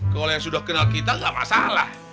kalau yang sudah kenal kita nggak masalah